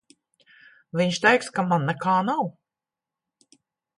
Viņš teiks, ka man nekā nav.